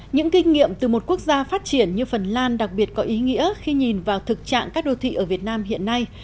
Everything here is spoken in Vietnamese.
những kinh nghiệm từ một quốc gia phát triển như phần lan đặc biệt có ý nghĩa khi nhìn vào thực trạng các đô thị ở việt nam hiện nay